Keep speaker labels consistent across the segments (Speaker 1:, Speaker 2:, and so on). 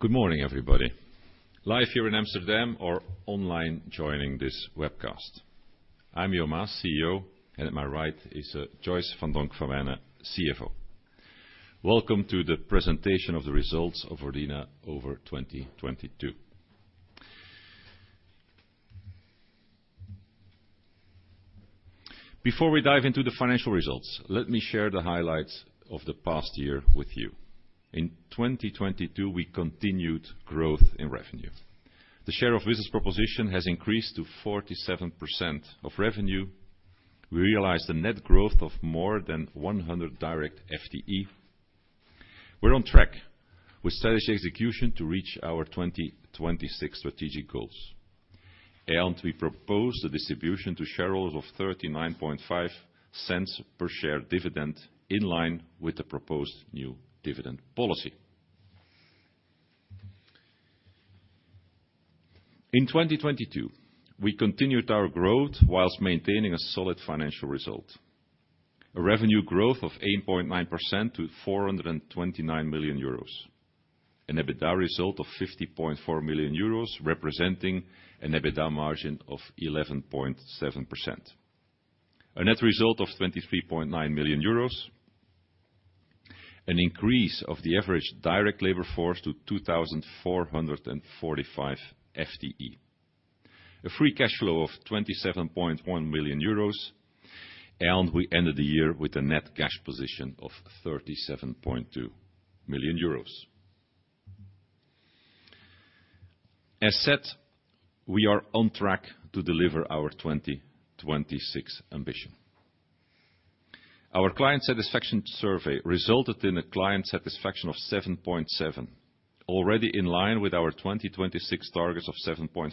Speaker 1: Good morning, everybody. Live here in Amsterdam or online joining this webcast. I'm Jo Maes, CEO, and at my right is Joyce van Donk-van Wijnen, CFO. Welcome to the presentation of the results of Ordina over 2022. Before we dive into the financial results, let me share the highlights of the past year with you. In 2022, we continued growth in revenue. The share of business proposition has increased to 47% of revenue. We realized a net growth of more than 100 direct FTE. We're on track with steady execution to reach our 2026 strategic goals. We propose the distribution to shareholders of 0.395 per share dividend in line with the proposed new dividend policy. In 2022, we continued our growth whilst maintaining a solid financial result. A revenue growth of 8.9% to 429 million euros. An EBITDA result of 50.4 million euros representing an EBITDA margin of 11.7%. A net result of 23.9 million euros. An increase of the average direct labor force to 2,445 FTE. A free cash flow of 27.1 million euros, and we ended the year with a net cash position of 37.2 million euros. As said, we are on track to deliver our 2026 ambition. Our client satisfaction survey resulted in a client satisfaction of 7.7, already in line with our 2026 targets of 7.5.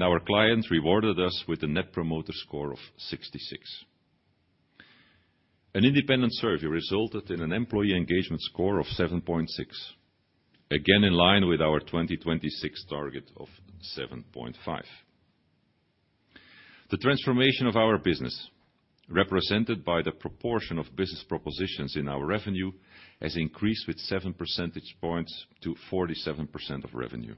Speaker 1: Our clients rewarded us with a Net Promoter Score of 66. An independent survey resulted in an employee engagement score of 7.6, again in line with our 2026 target of 7.5. The transformation of our business, represented by the proportion of business propositions in our revenue, has increased with 7 percentage points to 47% of revenue.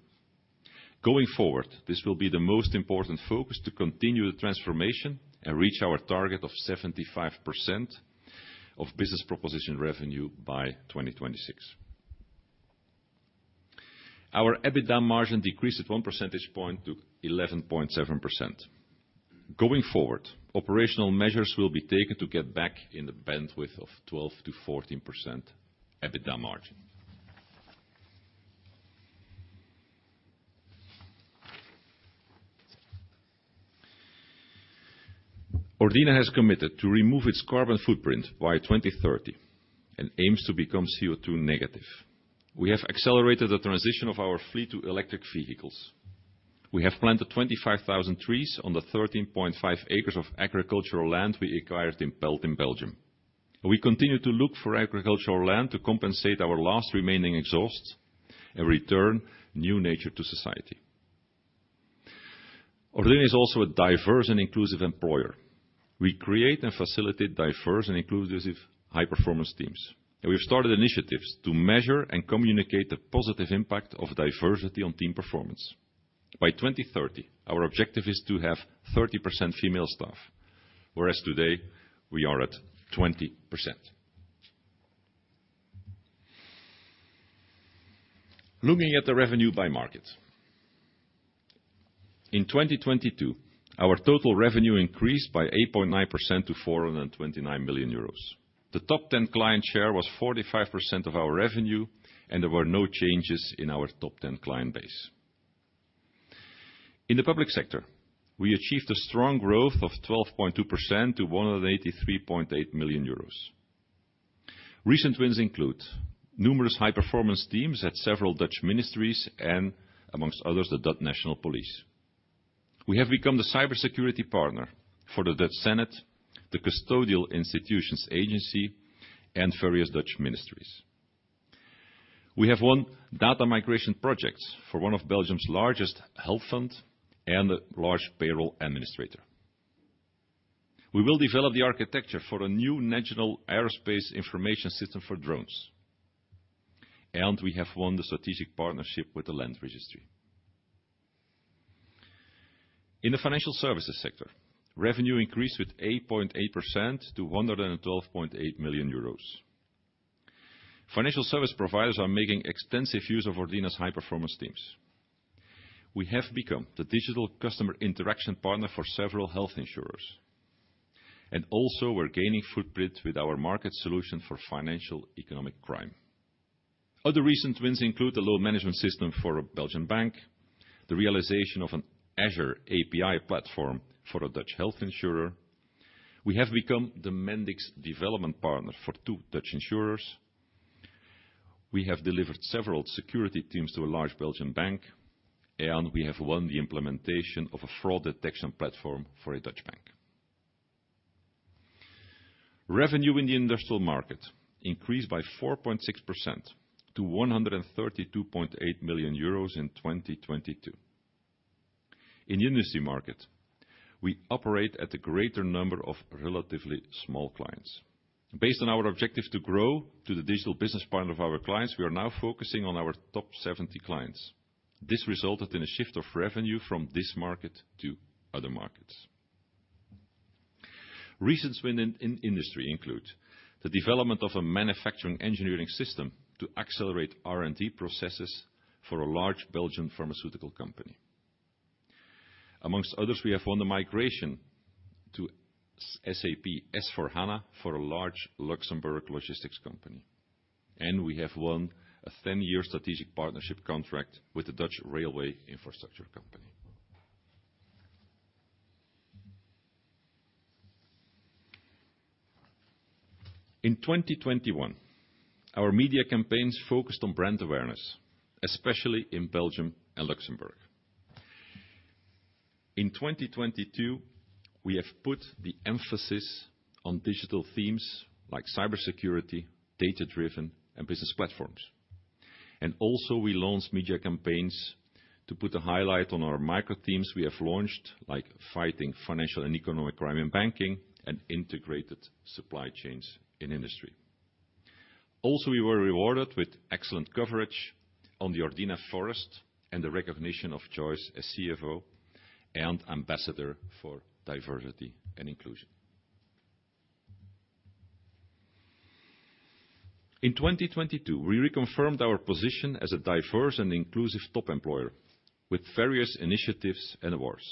Speaker 1: Going forward, this will be the most important focus to continue the transformation and reach our target of 75% of business proposition revenue by 2026. Our EBITDA margin decreased at 1 percentage point to 11.7%. Going forward, operational measures will be taken to get back in the bandwidth of 12%-14% EBITDA margin. Ordina has committed to remove its carbon footprint by 2030 and aims to become CO₂ negative. We have accelerated the transition of our fleet to electric vehicles. We have planted 25,000 trees on the 13.5 acres of agricultural land we acquired in Belden in Belgium. We continue to look for agricultural land to compensate our last remaining exhausts and return new nature to society. Ordina is also a diverse and inclusive employer. We create and facilitate diverse and inclusive high-performance teams. We've started initiatives to measure and communicate the positive impact of diversity on team performance. By 2030, our objective is to have 30% female staff, whereas today we are at 20%. Looking at the revenue by market. In 2022, our total revenue increased by 8.9% to 429 million euros. The top 10 client share was 45% of our revenue, there were no changes in our top 10 client base. In the public sector, we achieved a strong growth of 12.2% to 183.8 million euros. Recent wins include numerous high-performance teams at several Dutch ministries and amongst others, the Dutch National Police. We have become the cybersecurity partner for the Dutch Senate, the Custodial Institutions Agency, and various Dutch ministries. We have won data migration projects for one of Belgium's largest health fund and a large payroll administrator. We will develop the architecture for a new national aerospace information system for drones, and we have won the strategic partnership with the Land Registry. In the financial services sector, revenue increased with 8.8% to 112.8 million euros. Financial service providers are making extensive use of Ordina's high-performance teams. We have become the digital customer interaction partner for several health insurers, and also we're gaining footprint with our market solution for financial economic crime. Other recent wins include the loan management system for a Belgian bank, the realization of an Azure API platform for a Dutch health insurer. We have become the Mendix development partner for two Dutch insurers. We have delivered several security teams to a large Belgian bank, and we have won the implementation of a fraud detection platform for a Dutch bank. Revenue in the industrial market increased by 4.6% to 132.8 million euros in 2022. In the industry market, we operate at a greater number of relatively small clients. Based on our objective to grow to the digital business partner of our clients, we are now focusing on our top 70 clients. This resulted in a shift of revenue from this market to other markets. Recent win in industry include the development of a manufacturing engineering system to accelerate R&D processes for a large Belgian pharmaceutical company. Among others, we have won the migration to SAP S/4HANA for a large Luxembourg logistics company. We have won a 10-year strategic partnership contract with the Dutch railway infrastructure company. In 2021, our media campaigns focused on brand awareness, especially in Belgium and Luxembourg. In 2022, we have put the emphasis on digital themes like cybersecurity, data-driven and business platforms. Also, we launched media campaigns to put a highlight on our micro themes we have launched, like fighting financial and economic crime in banking and integrated supply chains in industry. We were rewarded with excellent coverage on the Ordina Forest and the recognition of Joyce as CFO and ambassador for diversity and inclusion. In 2022, we reconfirmed our position as a diverse and inclusive top employer with various initiatives and awards.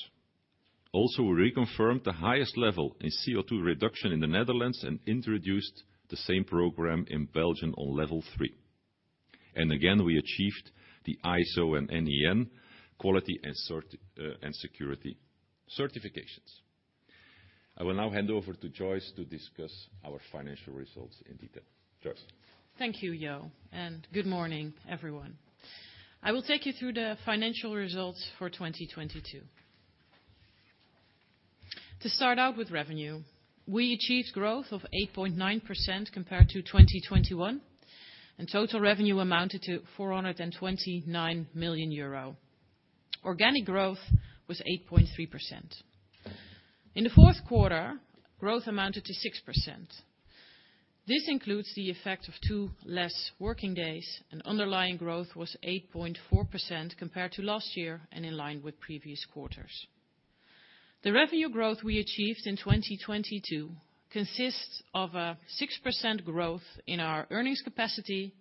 Speaker 1: We reconfirmed the highest level in CO₂ reduction in the Netherlands and introduced the same program in Belgium on level three. Again, we achieved the ISO and NEN quality and security certifications. I will now hand over to Joyce to discuss our financial results in detail. Joyce.
Speaker 2: Thank you, Jo. Good morning, everyone. I will take you through the financial results for 2022. To start out with revenue, we achieved growth of 8.9% compared to 2021. Total revenue amounted to 429 million euro. Organic growth was 8.3%. In the fourth quarter, growth amounted to 6%. This includes the effect of two less working days. Underlying growth was 8.4% compared to last year and in line with previous quarters. The revenue growth we achieved in 2022 consists of 6% growth in our earnings capacity,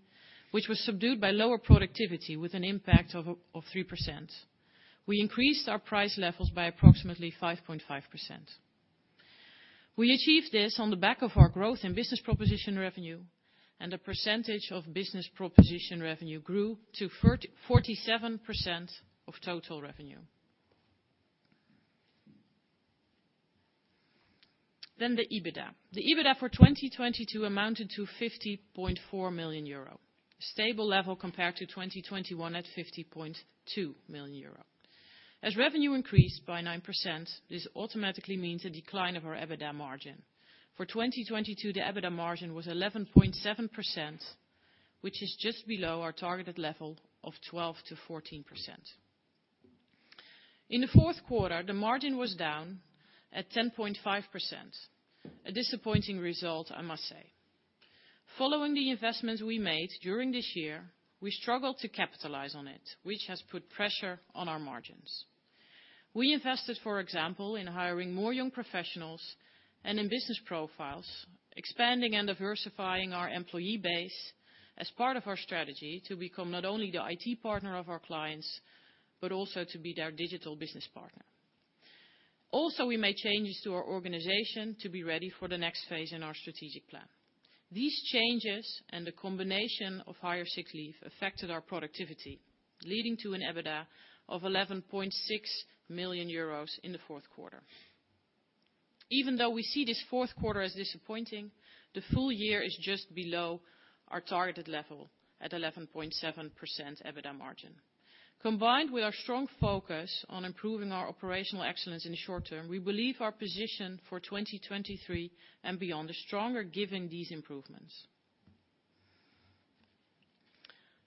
Speaker 2: which was subdued by lower productivity with an impact of 3%. We increased our price levels by approximately 5.5%. We achieved this on the back of our growth in business proposition revenue, the percentage of business proposition revenue grew to 47% of total revenue. The EBITDA. The EBITDA for 2022 amounted to 50.4 million euro. Stable level compared to 2021 at 50.2 million euro. As revenue increased by 9%, this automatically means a decline of our EBITDA margin. For 2022, the EBITDA margin was 11.7%, which is just below our targeted level of 12%-14%. In the fourth quarter, the margin was down at 10.5%. A disappointing result, I must say. Following the investments we made during this year, we struggled to capitalize on it, which has put pressure on our margins. We invested, for example, in hiring more young professionals and in business profiles, expanding and diversifying our employee base as part of our strategy to become not only the IT partner of our clients but also to be their digital business partner. We made changes to our organization to be ready for the next phase in our strategic plan. These changes and the combination of higher sick leave affected our productivity, leading to an EBITDA of 11.6 million euros in the fourth quarter. Even though we see this fourth quarter as disappointing, the full year is just below our targeted level at 11.7% EBITDA margin. Combined with our strong focus on improving our operational excellence in the short term, we believe our position for 2023 and beyond are stronger given these improvements.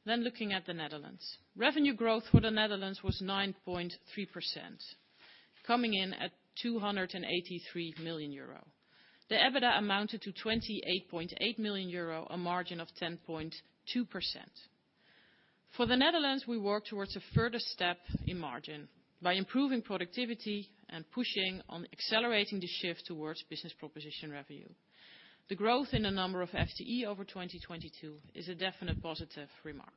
Speaker 2: Looking at the Netherlands. Revenue growth for the Netherlands was 9.3%, coming in at 283 million euro. The EBITDA amounted to 28.8 million euro, a margin of 10.2%. For the Netherlands, we work towards a further step in margin by improving productivity and pushing on accelerating the shift towards business proposition revenue. The growth in the number of FTE over 2022 is a definite positive remark.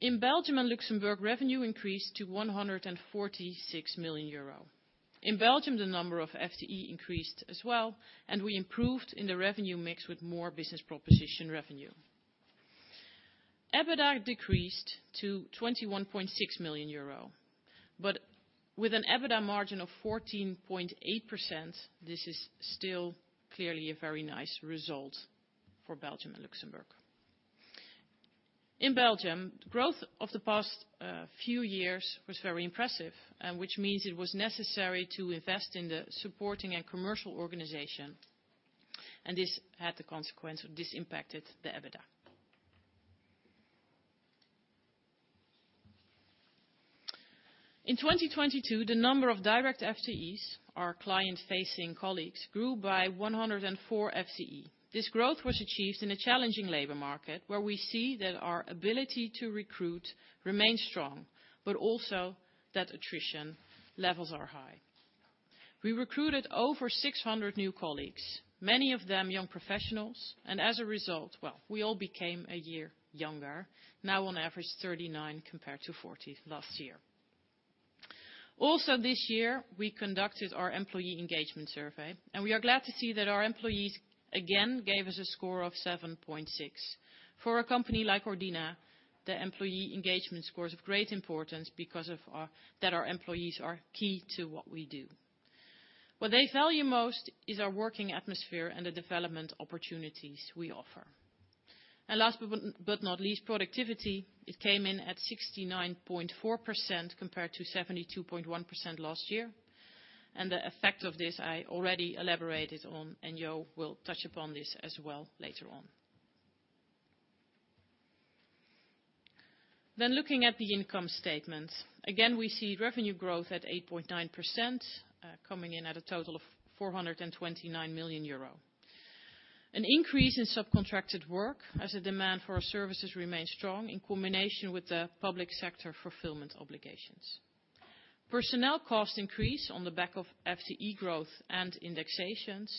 Speaker 2: In Belgium and Luxembourg, revenue increased to 146 million euro. In Belgium, the number of FTE increased as well, and we improved in the revenue mix with more business proposition revenue. EBITDA decreased to 21.6 million euro, but with an EBITDA margin of 14.8%, this is still clearly a very nice result for Belgium and Luxembourg. In Belgium, growth of the past, few years was very impressive, which means it was necessary to invest in the supporting and commercial organization. This had the consequence, or this impacted the EBITDA. In 2022, the number of direct FTEs, our client-facing colleagues, grew by 104 FTE. This growth was achieved in a challenging labor market, where we see that our ability to recruit remains strong, but also that attrition levels are high. We recruited over 600 new colleagues, many of them young professionals, and as a result, well, we all became a year younger. Now on average 39 compared to 40 last year. Also this year, we conducted our employee engagement survey, and we are glad to see that our employees again gave us a score of 7.6. For a company like Ordina, the employee engagement score is of great importance because that our employees are key to what we do. What they value most is our working atmosphere and the development opportunities we offer. Last but not least, productivity, it came in at 69.4% compared to 72.1% last year, and the effect of this I already elaborated on, and Jo will touch upon this as well later on. Looking at the income statement. Again, we see revenue growth at 8.9%, coming in at a total of 429 million euro. An increase in subcontracted work as the demand for our services remains strong in combination with the public sector fulfillment obligations. Personnel cost increase on the back of FTE growth and indexations,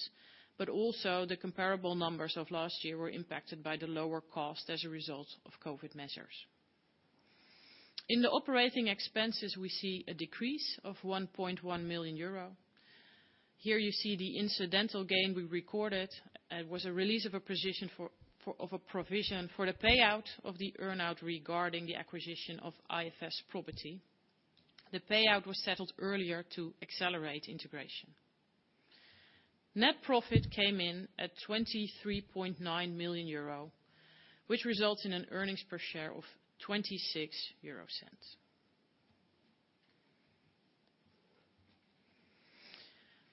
Speaker 2: also the comparable numbers of last year were impacted by the lower cost as a result of COVID measures. In the operating expenses, we see a decrease of 1.1 million euro. Here you see the incidental gain we recorded. It was a release of a position of a provision for the payout of the earn-out regarding the acquisition of IFS Probity. The payout was settled earlier to accelerate integration. Net profit came in at 23.9 million euro, which results in an earnings per share of 0.26.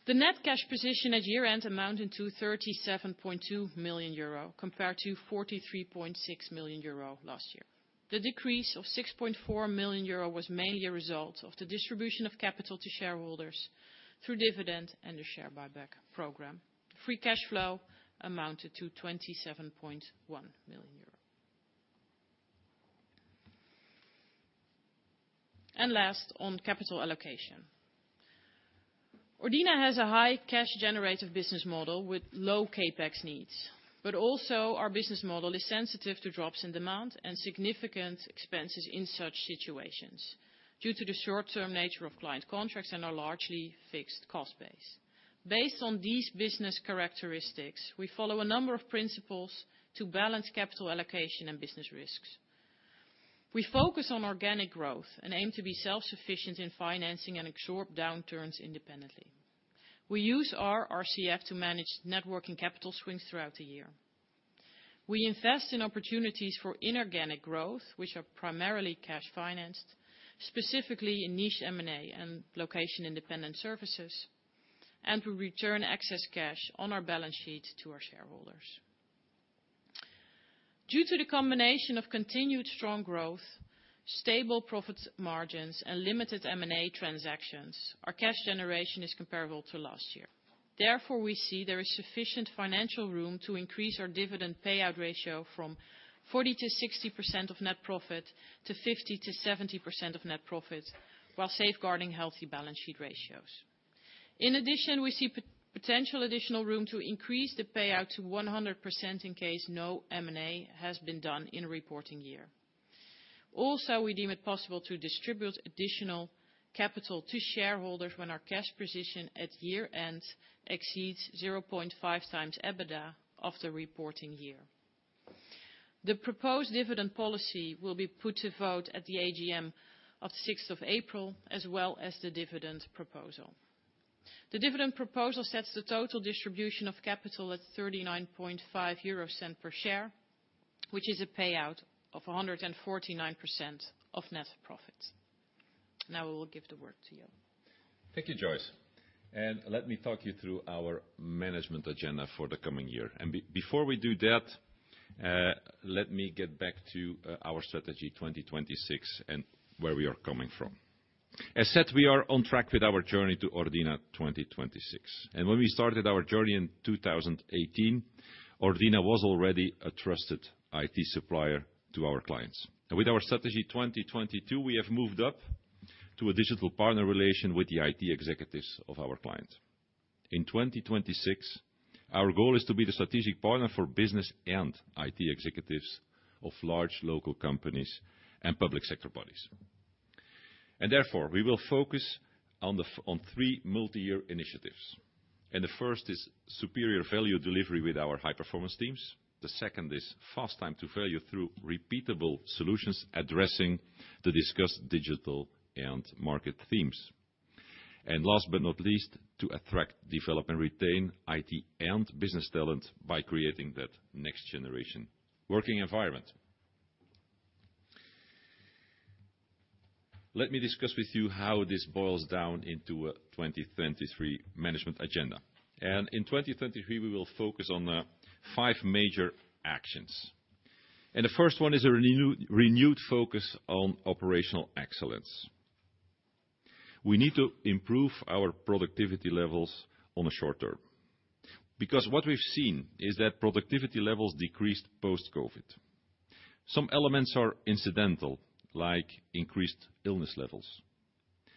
Speaker 2: The net cash position at year-end amounted to 37.2 million euro compared to 43.6 million euro last year. The decrease of 6.4 million euro was mainly a result of the distribution of capital to shareholders through dividends and the share buyback program. Free cash flow amounted to 27.1 million euros. Last, on capital allocation. Ordina has a high cash generative business model with low CapEx needs, but also our business model is sensitive to drops in demand and significant expenses in such situations due to the short-term nature of client contracts and our largely fixed cost base. Based on these business characteristics, we follow a number of principles to balance capital allocation and business risks. We focus on organic growth and aim to be self-sufficient in financing and absorb downturns independently. We use our RCF to manage net working capital swings throughout the year. We invest in opportunities for inorganic growth, which are primarily cash financed, specifically in niche M&A and location-independent services. We return excess cash on our balance sheet to our shareholders. Due to the combination of continued strong growth, stable profit margins, and limited M&A transactions, our cash generation is comparable to last year. We see there is sufficient financial room to increase our dividend payout ratio from 40%-60% of net profit to 50%-70% of net profit while safeguarding healthy balance sheet ratios. We see potential additional room to increase the payout to 100% in case no M&A has been done in a reporting year. We deem it possible to distribute additional capital to shareholders when our cash position at year-end exceeds 0.5x EBITDA of the reporting year. The proposed dividend policy will be put to vote at the AGM of the 6th of April, as well as the dividend proposal. The dividend proposal sets the total distribution of capital at 0.395 per share, which is a payout of 149% of net profit. We will give the word to Jo.
Speaker 1: Thank you, Joyce. Let me talk you through our management agenda for the coming year. Before we do that, let me get back to our strategy 2026 and where we are coming from. As said, we are on track with our journey to Ordina 2026. When we started our journey in 2018, Ordina was already a trusted IT supplier to our clients. With our strategy 2022, we have moved up to a digital partner relation with the IT executives of our clients. In 2026, our goal is to be the strategic partner for business and IT executives of large local companies and public sector bodies. Therefore, we will focus on three multi-year initiatives. The first is superior value delivery with our high-performance teams. The second is fast time to value through repeatable solutions addressing the discussed digital and market themes. Last but not least, to attract, develop, and retain IT and business talent by creating that next generation working environment. Let me discuss with you how this boils down into a 2023 management agenda. In 2023, we will focus on five major actions. The first one is a renewed focus on operational excellence. We need to improve our productivity levels on the short term, because what we've seen is that productivity levels decreased post-COVID. Some elements are incidental, like increased illness levels.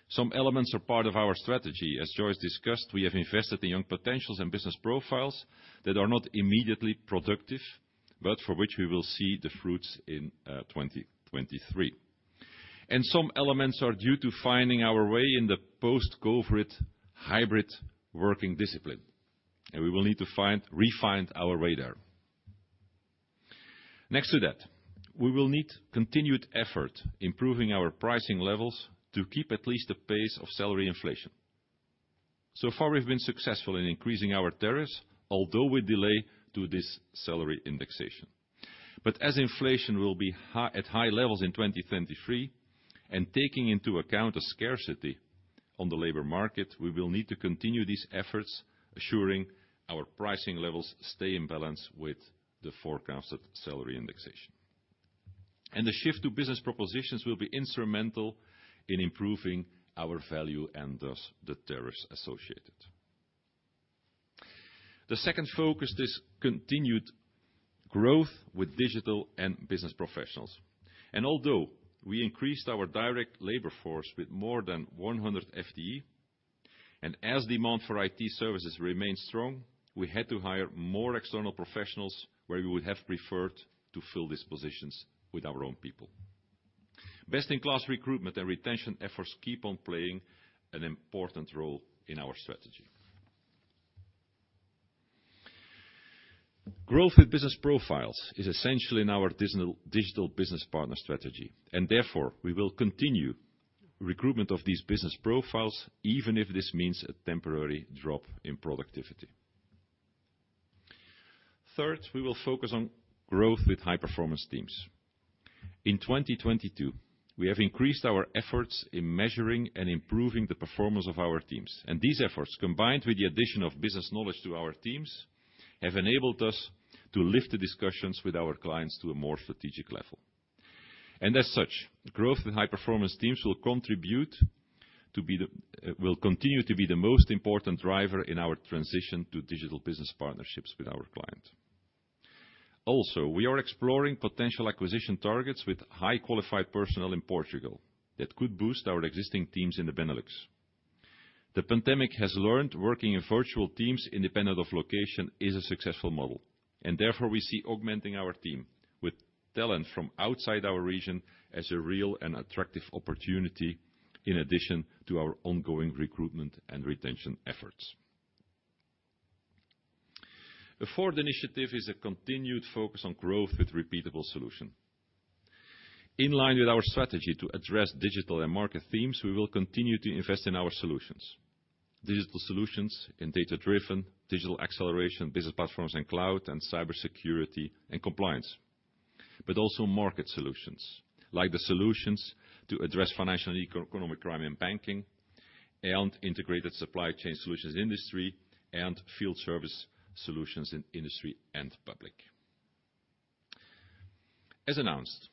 Speaker 1: Some elements are part of our strategy. As Joyce discussed, we have invested in young potentials and business profiles that are not immediately productive, but for which we will see the fruits in 2023. Some elements are due to finding our way in the post-COVID hybrid working discipline, and we will need to re-find our radar. Next to that, we will need continued effort improving our pricing levels to keep at least the pace of salary inflation. So far, we've been successful in increasing our tariffs, although with delay to this salary indexation. As inflation will be at high levels in 2023, and taking into account the scarcity on the labor market, we will need to continue these efforts, assuring our pricing levels stay in balance with the forecasted salary indexation. The shift to business propositions will be instrumental in improving our value and thus the tariffs associated. The second focus is continued growth with digital and business professionals. Although we increased our direct labor force with more than 100 FTE, and as demand for IT services remained strong, we had to hire more external professionals where we would have preferred to fill these positions with our own people. Best-in-class recruitment and retention efforts keep on playing an important role in our strategy. Growth with business profiles is essential in our digital business partner strategy, and therefore, we will continue recruitment of these business profiles, even if this means a temporary drop in productivity. Third, we will focus on growth with high-performance teams. In 2022, we have increased our efforts in measuring and improving the performance of our teams. These efforts, combined with the addition of business knowledge to our teams, have enabled us to lift the discussions with our clients to a more strategic level. As such, growth in high-performance teams will continue to be the most important driver in our transition to digital business partnerships with our client. Also, we are exploring potential acquisition targets with high-qualified personnel in Portugal that could boost our existing teams in the Benelux. The pandemic has learned working in virtual teams independent of location is a successful model, and therefore, we see augmenting our team with talent from outside our region as a real and attractive opportunity in addition to our ongoing recruitment and retention efforts. The fourth initiative is a continued focus on growth with repeatable solution. In line with our strategy to address digital and market themes, we will continue to invest in our solutions. Digital solutions in data-driven digital acceleration, business platforms and cloud, and cybersecurity and compliance. Also market solutions, like the solutions to address financial and economic crime in banking, and integrated supply chain solutions industry, and field service solutions in industry and public. As announced,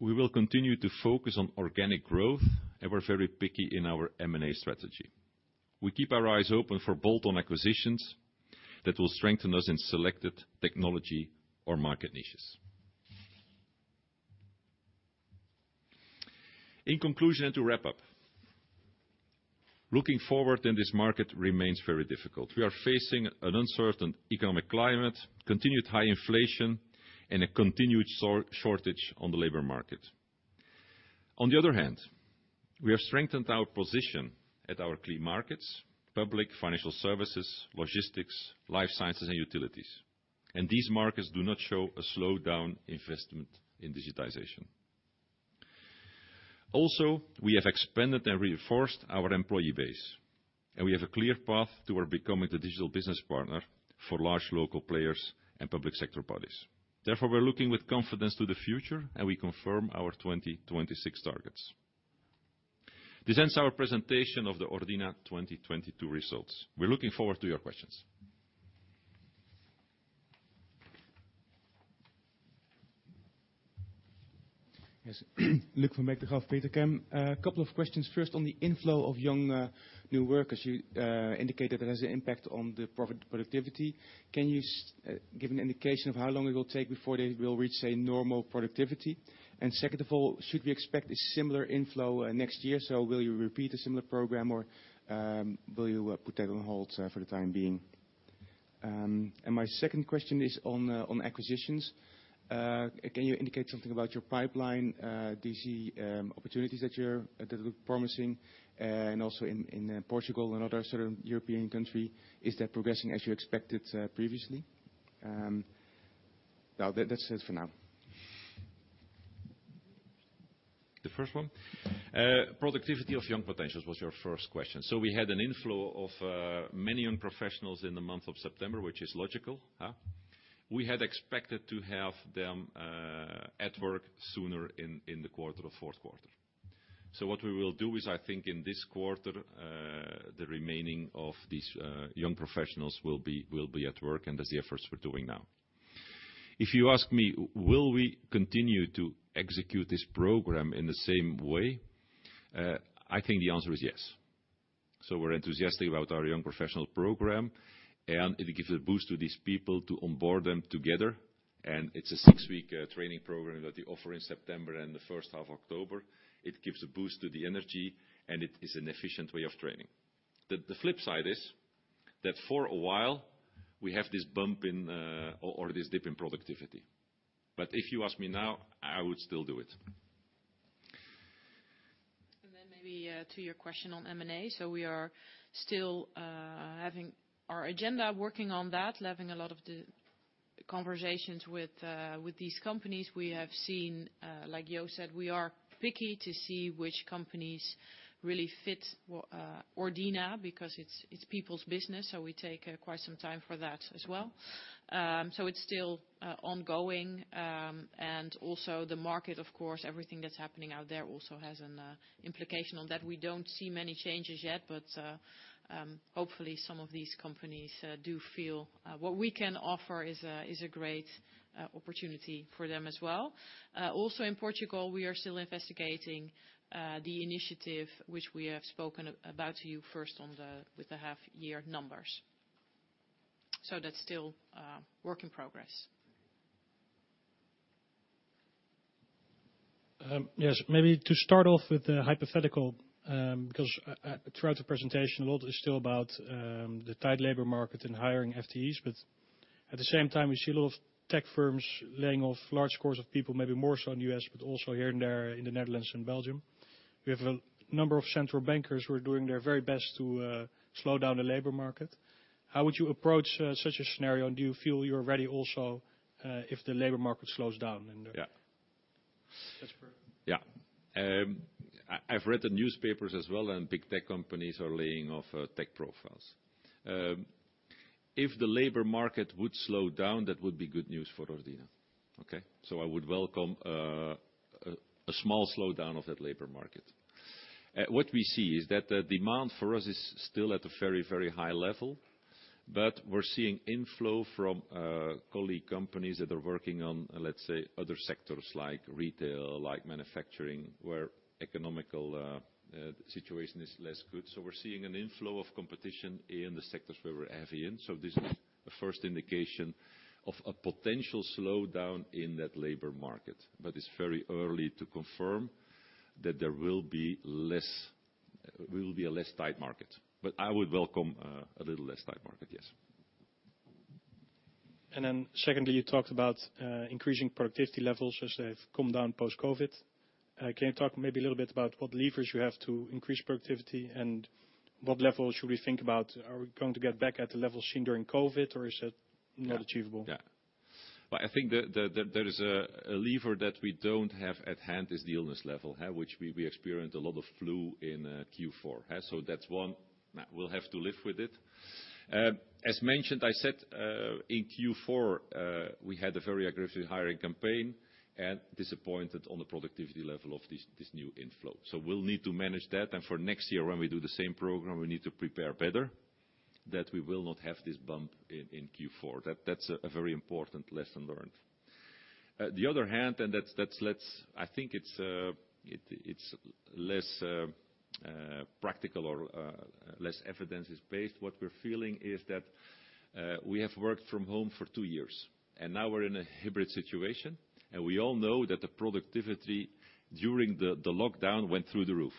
Speaker 1: we will continue to focus on organic growth, and we're very picky in our M&A strategy. We keep our eyes open for bolt-on acquisitions that will strengthen us in selected technology or market niches. In conclusion, and to wrap up, looking forward in this market remains very difficult. We are facing an uncertain economic climate, continued high inflation, and a continued shortage on the labor market. On the other hand, we have strengthened our position at our key markets: public financial services, logistics, life sciences, and utilities. These markets do not show a slowdown investment in digitization. We have expanded and reinforced our employee base, and we have a clear path toward becoming the digital business partner for large local players and public sector bodies. We're looking with confidence to the future, and we confirm our 2026 targets. This ends our presentation of the Ordina 2022 results. We're looking forward to your questions.
Speaker 3: Yes. Luc from KBC Securities. A couple of questions first on the inflow of young new workers. You indicated it has an impact on the profit productivity. Can you give an indication of how long it will take before they will reach, say, normal productivity? Second of all, should we expect a similar inflow next year? Will you repeat a similar program or will you put that on hold for the time being? My second question is on acquisitions. Can you indicate something about your pipeline? Do you see opportunities that look promising? Also in Portugal and other certain European country, is that progressing as you expected previously? Now that's it for now.
Speaker 1: The first one. Productivity of young potentials was your first question. We had an inflow of many young professionals in the month of September, which is logical, huh? We had expected to have them at work sooner in the quarter, the fourth quarter. What we will do is, I think in this quarter, the remaining of these young professionals will be at work, and that's the efforts we're doing now. If you ask me, will we continue to execute this program in the same way? I think the answer is yes. We're enthusiastic about our young professional program, and it gives a boost to these people to onboard them together. It's a six-week training program that they offer in September and the first half October. It gives a boost to the energy, and it is an efficient way of training. The flip side is that for a while we have this bump in or this dip in productivity. If you ask me now, I would still do it.
Speaker 2: Then maybe to your question on M&A. We are still having our agenda, working on that, having a lot of the conversations with these companies. We have seen, like Jo said, we are picky to see which companies really fit Ordina because it's people's business, so we take quite some time for that as well. It's still ongoing. Also the market of course, everything that's happening out there also has an implication on that. We don't see many changes yet, but hopefully some of these companies do feel what we can offer is a great opportunity for them as well. Also in Portugal, we are still investigating the initiative which we have spoken about to you first on the, with the half year numbers. That's still work in progress.
Speaker 4: Yes. Maybe to start off with the hypothetical, because throughout the presentation a lot is still about the tight labor market and hiring FTEs. At the same time, we see a lot of tech firms laying off large scores of people, maybe more so in U.S., but also here and there in the Netherlands and Belgium. We have a number of central bankers who are doing their very best to slow down the labor market. How would you approach such a scenario? Do you feel you're ready also if the labor market slows down?
Speaker 1: Yeah.
Speaker 4: Jesper.
Speaker 1: I have read the newspapers as well, and big tech companies are laying off tech profiles. If the labor market would slow down, that would be good news for Ordina, okay? I would welcome a small slowdown of that labor market. What we see is that the demand for us is still at a very, very high level. But we are seeing inflow from colleague companies that are working on, let's say, other sectors like retail, like manufacturing, where economical situation is less good. So we are seeing an inflow of competition in the sectors where we are heavy in. This is a first indication of a potential slowdown in that labor market. But it is very early to confirm that there will be less, will be a less tight market. But I would welcome a little less tight market, yes.
Speaker 4: Secondly, you talked about increasing productivity levels as they've come down post-COVID. Can you talk maybe a little bit about what levers you have to increase productivity, and what level should we think about? Are we going to get back at the level seen during COVID, or is that not achievable?
Speaker 1: Yeah. Well, I think the there is a lever that we don't have at hand is the illness level, huh, which we experienced a lot of flu in Q4. That's one. We'll have to live with it. As mentioned, I said in Q4, we had a very aggressive hiring campaign and disappointed on the productivity level of this new inflow. We'll need to manage that. For next year when we do the same program, we need to prepare better that we will not have this bump in Q4. That's a very important lesson learned. The other hand, and that's I think it's less practical or less evidence-based. What we're feeling is that we have worked from home for two years. Now we're in a hybrid situation. We all know that the productivity during the lockdown went through the roof.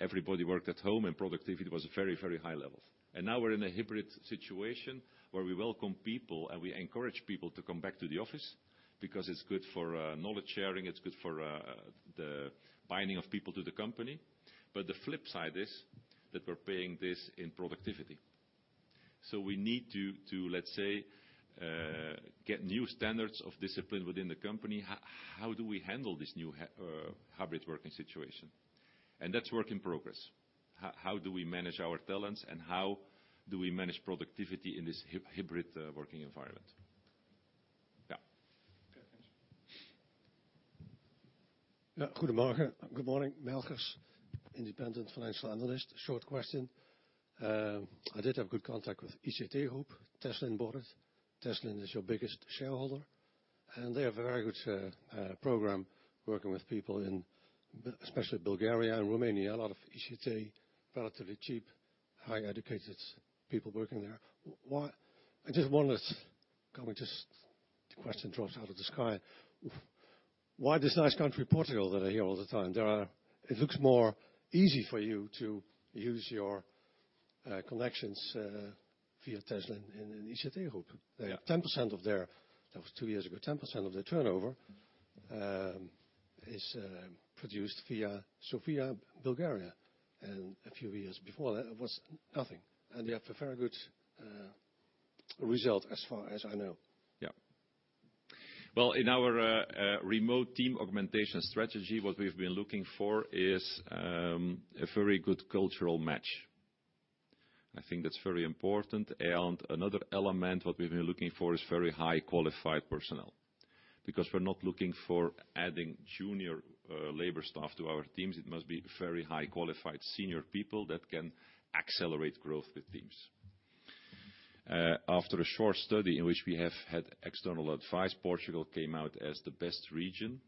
Speaker 1: Everybody worked at home and productivity was very, very high levels. Now we're in a hybrid situation where we welcome people, and we encourage people to come back to the office because it's good for knowledge sharing, it's good for the binding of people to the company. The flip side is that we're paying this in productivity. We need to, let's say, get new standards of discipline within the company. How do we handle this new hybrid working situation? That's work in progress. How do we manage our talents, and how do we manage productivity in this hybrid working environment?
Speaker 4: Okay, thanks.
Speaker 5: Yeah. Good morning. Good morning. Melgers, independent financial analyst. Short question. I did have good contact with ICT Group, Teslin Board. Teslin is your biggest shareholder, and they have a very good, program working with people in especially Bulgaria and Romania. A lot of ICT, relatively cheap, high educated people working there. I just wonder, the question drops out of the sky. Why this nice country, Portugal, that I hear all the time? It looks more easy for you to use your connections, via Teslin in ICT Group.
Speaker 1: Yeah.
Speaker 5: They have 10% of their, that was two years ago, 10% of their turnover, is produced via Sofia, Bulgaria. A few years before that it was nothing. They have a very good result as far as I know.
Speaker 1: Well, in our remote team augmentation strategy, what we've been looking for is a very good cultural match. I think that's very important. Another element, what we've been looking for is very high qualified personnel, because we're not looking for adding junior labor staff to our teams. It must be very high qualified senior people that can accelerate growth with teams. After a short study in which we have had external advice, Portugal came out as the best region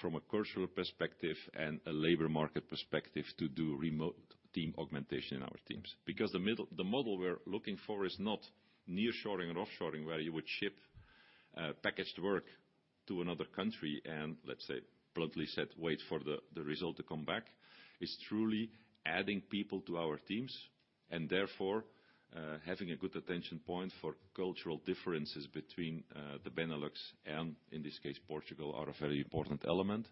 Speaker 1: from a cultural perspective and a labor market perspective to do remote team augmentation in our teams. The model we're looking for is not nearshoring and offshoring, where you would ship packaged work to another country and, let's say, bluntly said, wait for the result to come back. It's truly adding people to our teams and therefore, having a good attention point for cultural differences between the Benelux and in this case, Portugal, are a very important element.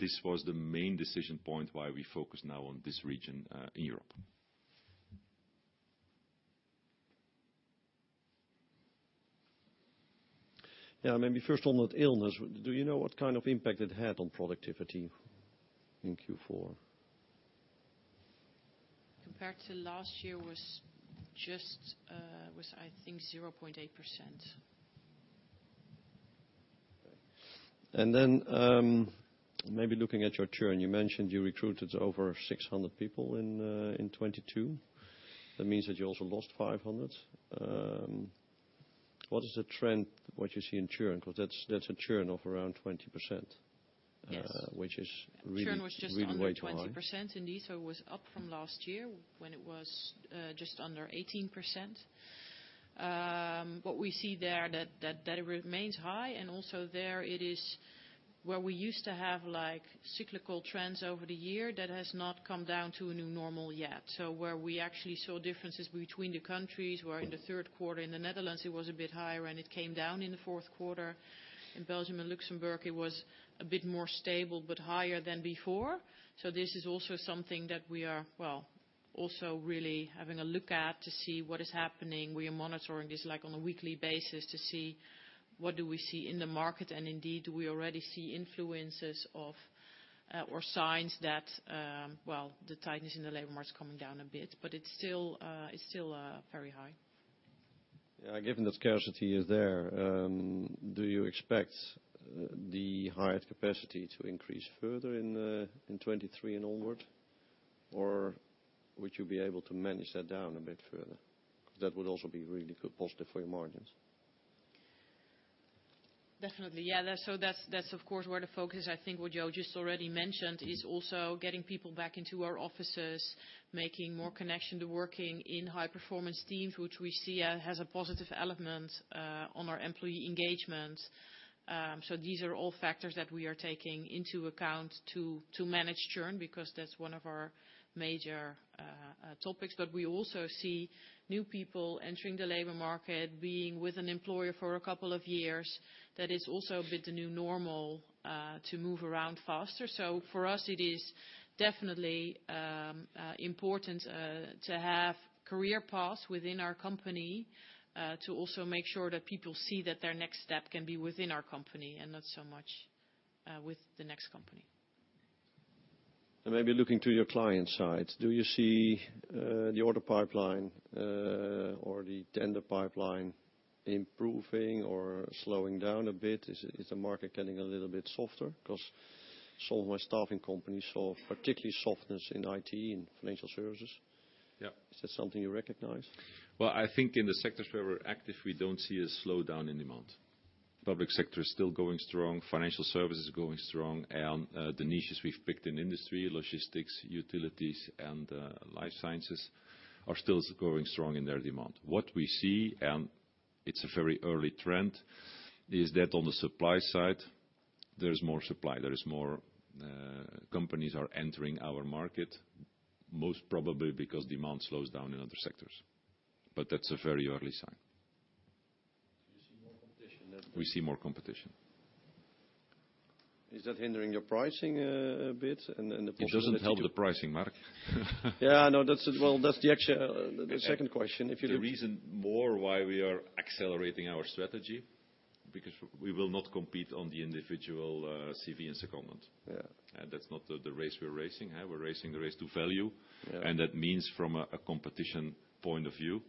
Speaker 1: This was the main decision point why we focus now on this region in Europe.
Speaker 6: Yeah. Maybe first on that illness, do you know what kind of impact it had on productivity in Q4?
Speaker 2: Compared to last year was just, was I think 0.8%.
Speaker 6: Maybe looking at your churn, you mentioned you recruited over 600 people in 2022. That means that you also lost 500. What is the trend, what you see in churn? Because that's a churn of around 20%.
Speaker 2: Yes
Speaker 6: ...which is really way too high.
Speaker 2: Churn was just under 20%, indeed. It was up from last year when it was just under 18%. What we see there that it remains high and also there it is where we used to have like cyclical trends over the year that has not come down to a new normal yet. Where we actually saw differences between the countries, where in the third quarter in the Netherlands it was a bit higher and it came down in the fourth quarter. In Belgium and Luxembourg, it was a bit more stable but higher than before. This is also something that we are, well, also really having a look at to see what is happening. We are monitoring this like on a weekly basis to see what do we see in the market. indeed, do we already see influences of, or signs that, well, the tightness in the labor market is coming down a bit, but it's still very high?
Speaker 6: Yeah. Given the scarcity is there, do you expect the hired capacity to increase further in 2023 and onward, or would you be able to manage that down a bit further? That would also be really good positive for your margins.
Speaker 2: Definitely, yeah. That's, that's of course where the focus, I think what Jo just already mentioned, is also getting people back into our offices, making more connection to working in high-performance teams, which we see has a positive element on our employee engagement. These are all factors that we are taking into account to manage churn because that's one of our major topics. We also see new people entering the labor market, being with an employer for a couple of years. That is also a bit the new normal to move around faster. For us, it is definitely important to have career paths within our company to also make sure that people see that their next step can be within our company and not so much with the next company.
Speaker 6: Maybe looking to your client side, do you see the order pipeline or the tender pipeline improving or slowing down a bit? Is the market getting a little bit softer? Because some of my staffing companies saw particularly softness in IT and financial services.
Speaker 1: Yeah.
Speaker 6: Is that something you recognize?
Speaker 1: I think in the sectors where we're active, we don't see a slowdown in demand. Public sector is still going strong, financial services is going strong, and the niches we've picked in industry, logistics, utilities, and life sciences are still growing strong in their demand. What we see, and it's a very early trend, is that on the supply side, there's more supply. There is more companies are entering our market, most probably because demand slows down in other sectors. That's a very early sign.
Speaker 6: You see more competition.
Speaker 1: We see more competition.
Speaker 6: Is that hindering your pricing, a bit and the possibility?
Speaker 1: It doesn't help the pricing, Mark.
Speaker 6: Yeah, I know. That's, well, that's the actual, the second question.
Speaker 1: The reason more why we are accelerating our strategy, because we will not compete on the individual, C.V. and secondment.
Speaker 6: Yeah.
Speaker 1: That's not the race we're racing. We're racing the race to value.
Speaker 6: Yeah.
Speaker 1: That means from a competition point of view,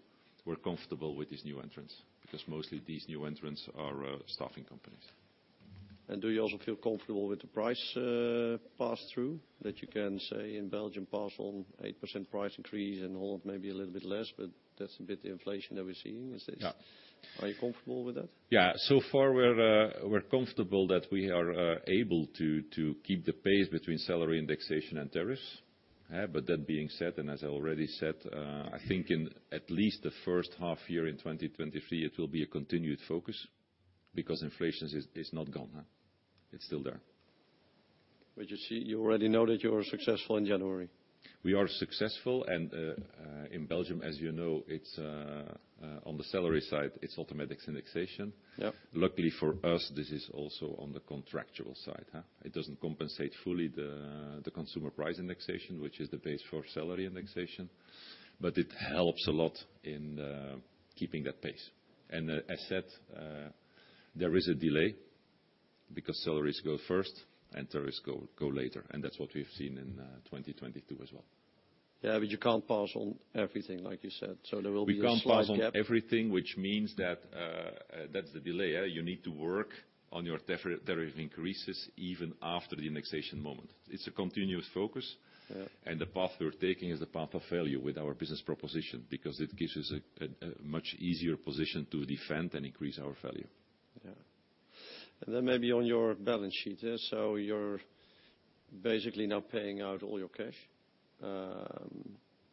Speaker 1: we're comfortable with these new entrants, because mostly these new entrants are staffing companies.
Speaker 6: Do you also feel comfortable with the price, pass-through that you can say in Belgium pass on 8% price increase and all of maybe a little bit less, but that's a bit inflation that we're seeing.
Speaker 1: Yeah.
Speaker 6: Are you comfortable with that?
Speaker 1: Yeah. So far we're comfortable that we are able to keep the pace between salary indexation and tariffs. That being said, as I already said, I think in at least the first half year in 2023, it will be a continued focus because inflation is not gone. It's still there.
Speaker 6: You see, you already know that you are successful in January.
Speaker 1: We are successful. In Belgium, as you know, it's on the salary side, it's automatic indexation.
Speaker 6: Yeah.
Speaker 1: Luckily for us, this is also on the contractual side, huh? It doesn't compensate fully the consumer price indexation, which is the base for salary indexation, but it helps a lot in keeping that pace. As said, there is a delay. Because salaries go first and tariffs go later. That's what we've seen in 2022 as well.
Speaker 6: You can't pass on everything, like you said, there will be a slight gap...
Speaker 1: We can't pass on everything, which means that's the delay. You need to work on your tariff increases even after the indexation moment. It's a continuous focus.
Speaker 6: Yeah.
Speaker 1: The path we're taking is the path of value with our business proposition, because it gives us a much easier position to defend and increase our value.
Speaker 6: Yeah. Then maybe on your balance sheet. You're basically now paying out all your cash.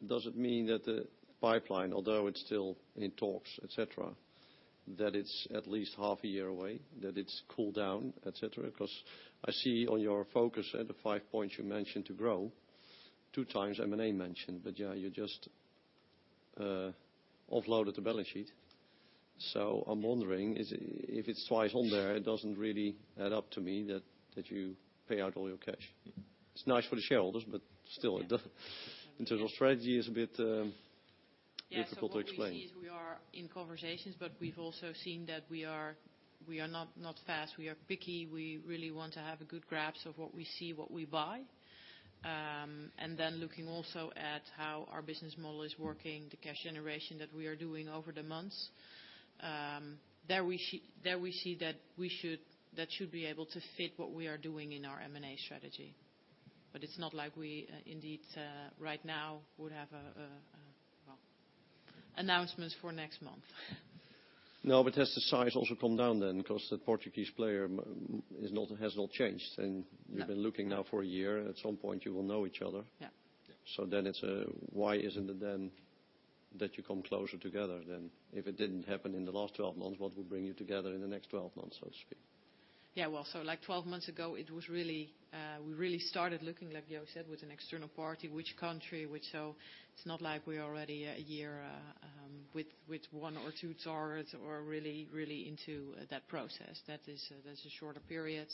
Speaker 6: Does it mean that the pipeline, although it's still in talks, et cetera, that it's at least 0.5 year away, that it's cooled down, et cetera? Because I see on your focus at the 5 points you mentioned to grow, two times M&A mentioned. You just offloaded the balance sheet. I'm wondering if it's twice on there, it doesn't really add up to me that you pay out all your cash. It's nice for the shareholders, but still in terms of strategy, it's a bit difficult to explain.
Speaker 2: What we see is we are in conversations, but we've also seen that we are not fast. We are picky. We really want to have a good grasp of what we see, what we buy. Looking also at how our business model is working, the cash generation that we are doing over the months, there we see that should be able to fit what we are doing in our M&A strategy. It's not like we indeed right now would have a announcements for next month.
Speaker 6: Has the size also come down then? The Portuguese player has not changed.
Speaker 2: No.
Speaker 6: You've been looking now for a year, and at some point you will know each other.
Speaker 2: Yeah.
Speaker 6: It's, why isn't it then that you come closer together then? If it didn't happen in the last 12 months, what would bring you together in the next 12 months, so to speak?
Speaker 2: Well, like 12 months ago, it was really, we really started looking, like Jo said, with an external party, which country. It's not like we're already one year with one or two targets or really into that process. That's a shorter period,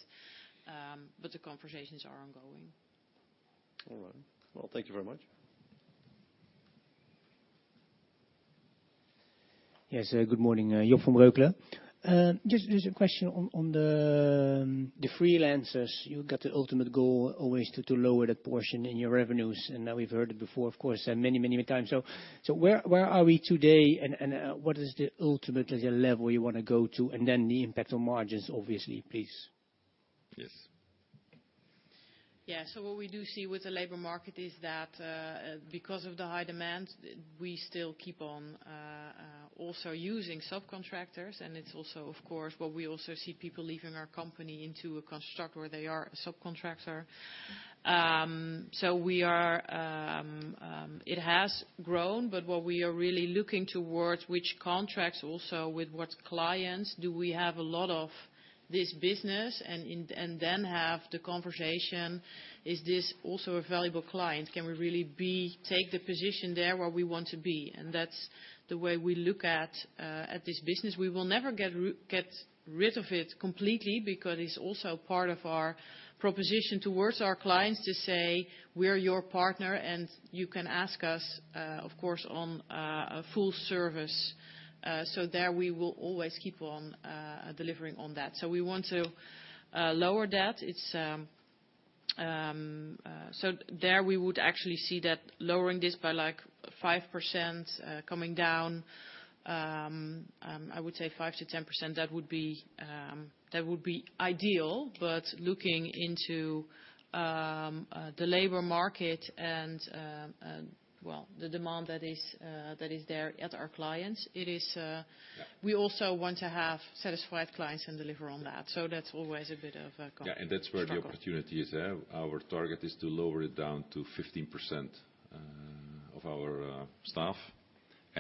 Speaker 2: but the conversations are ongoing.
Speaker 6: All right. Well, thank you very much.
Speaker 7: Yes. Good morning. Joost de Bruin. just a question on the freelancers. You've got the ultimate goal always to lower that portion in your revenues. We've heard it before, of course, many times. Where are we today and what is the ultimately the level you wanna go to and then the impact on margins obviously, please?
Speaker 1: Yes.
Speaker 2: Yeah. What we do see with the labor market is that, because of the high demand, we still keep on also using subcontractors. It's also, of course, where we also see people leaving our company into a construct where they are a subcontractor. We are, it has grown, but what we are really looking towards which contracts also with what clients do we have a lot of this business and then have the conversation, is this also a valuable client? Can we really take the position there where we want to be? That's the way we look at this business. We will never get rid of it completely because it's also part of our proposition towards our clients to say, "We're your partner, and you can ask us, of course, on a full service." There we will always keep on delivering on that. We want to lower that. It's, so there we would actually see that lowering this by like 5% coming down, I would say 5%-10%, that would be ideal. Looking into the labor market and well, the demand that is there at our clients, it is.
Speaker 1: Yeah.
Speaker 2: We also want to have satisfied clients and deliver on that. That's always a bit of a con-struggle.
Speaker 1: Yeah, and that's where the opportunity is, yeah. Our target is to lower it down to 15% of our staff.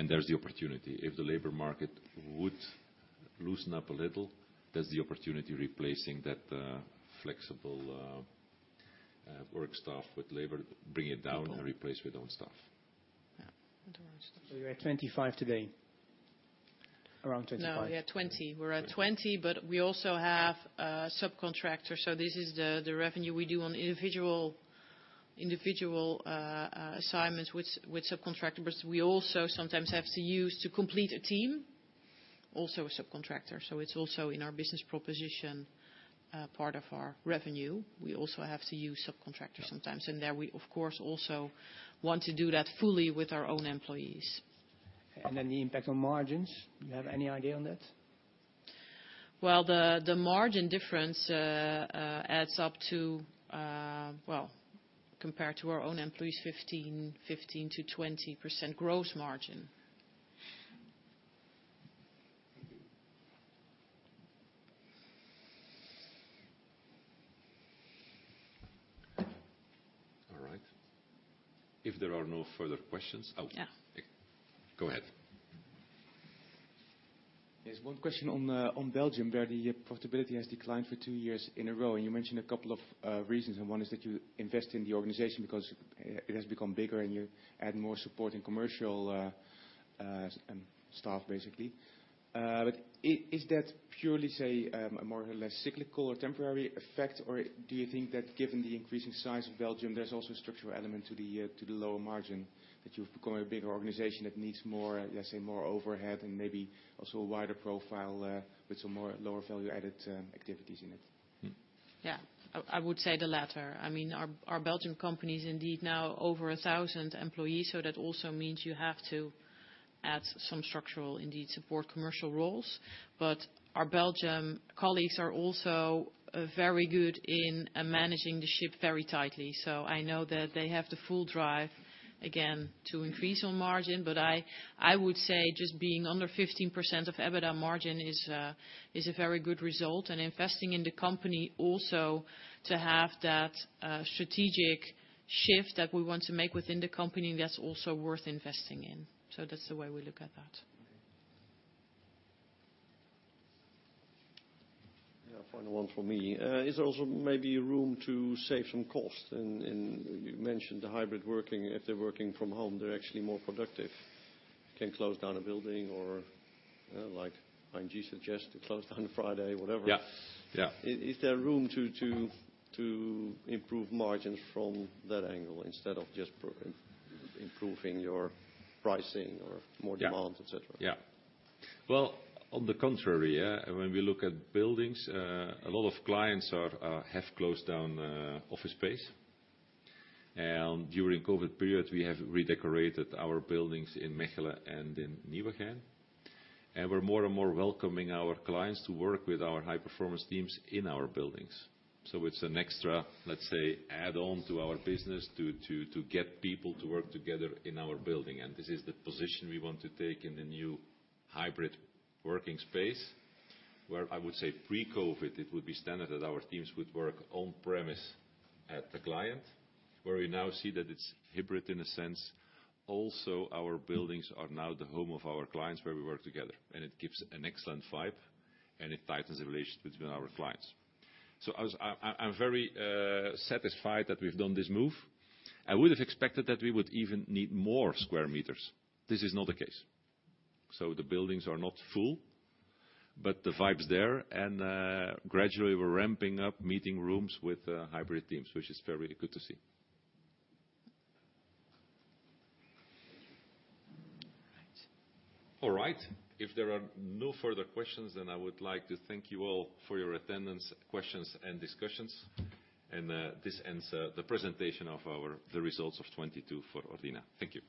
Speaker 1: There's the opportunity. If the labor market would loosen up a little, there's the opportunity replacing that flexible work staff with labor, bring it down and replace with own staff.
Speaker 2: Yeah, with our own staff.
Speaker 7: You're at 25% today? Around 25%.
Speaker 2: No, we are at 20%. We're at 20%. We also have subcontractors. This is the revenue we do on individual assignments with subcontractors. We also sometimes have to use to complete a team, also a subcontractor. It's also in our business proposition part of our revenue. We also have to use subcontractors sometimes. There we of course, also want to do that fully with our own employees.
Speaker 7: The impact on margins, do you have any idea on that?
Speaker 2: Well, the margin difference adds up to, well, compared to our own employees, 15%-20% gross margin.
Speaker 1: All right. If there are no further questions... Oh.
Speaker 2: Yeah.
Speaker 1: Go ahead.
Speaker 8: Yes. One question on Belgium, where the profitability has declined for two years in a row. You mentioned a couple of reasons, and one is that you invest in the organization because it has become bigger and you add more support and commercial staff basically. Is that purely, say, a more or less cyclical or temporary effect? Or do you think that given the increasing size of Belgium, there's also a structural element to the lower margin, that you've become a bigger organization that needs more, let's say, more overhead and maybe also a wider profile, with some more lower value added activities in it?
Speaker 2: Yeah, I would say the latter. I mean, our Belgium company is indeed now over 1,000 employees, so that also means you have to add some structural, indeed, support commercial roles. Our Belgium colleagues are also very good in managing the ship very tightly. I know that they have the full drive, again, to increase on margin, but I would say just being under 15% of EBITDA margin is a very good result. Investing in the company also to have that strategic shift that we want to make within the company, that's also worth investing in. That's the way we look at that.
Speaker 6: Yeah, final one from me. Is there also maybe room to save some cost? You mentioned the hybrid working. If they're working from home, they're actually more productive. Can close down a building or, like ING suggests, to close down on Friday, whatever.
Speaker 1: Yeah, yeah.
Speaker 6: Is there room to improve margins from that angle instead of just improving your pricing or more demand, et cetera?
Speaker 1: Well, on the contrary, yeah. When we look at buildings, a lot of clients are have closed down office space. During COVID period, we have redecorated our buildings in Mechelen and in Nieuwegein. We're more and more welcoming our clients to work with our high-performance teams in our buildings. It's an extra, let's say, add-on to our business to get people to work together in our building. This is the position we want to take in the new hybrid working space, where I would say pre-COVID, it would be standard that our teams would work on premise at the client, where we now see that it's hybrid in a sense. Our buildings are now the home of our clients, where we work together, and it gives an excellent vibe, and it tightens the relationship between our clients. I'm very satisfied that we've done this move. I would have expected that we would even need more square meters. This is not the case. The buildings are not full, but the vibe's there. Gradually we're ramping up meeting rooms with hybrid teams, which is very good to see.
Speaker 2: All right.
Speaker 1: All right. If there are no further questions, I would like to thank you all for your attendance, questions, and discussions. This ends the presentation of our, the results of 2022 for Ordina. Thank you.